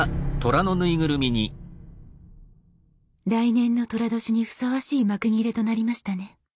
来年のとら年にふさわしい幕切れとなりましたね。